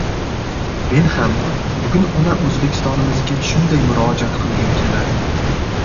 Men ham bugun ona O‘zbekistonimizga shunday murojaat qilgim keladi: